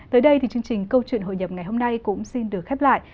tới đây thì chương trình câu chuyện hội nhập ngày hôm nay cũng xin được khép lại